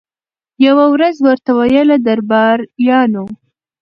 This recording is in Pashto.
یوه ورځ ورته ویله درباریانو